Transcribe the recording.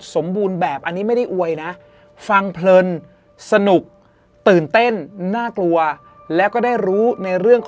สมบูรณ์แบบอันนี้ไม่ได้อวยนะฟังเพลินสนุกตื่นเต้นน่ากลัวแล้วก็ได้รู้ในเรื่องของ